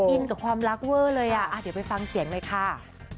อินกับความรักเวอร์เลยอ่ะเดี๋ยวไปฟังเสียงหน่อยค่ะ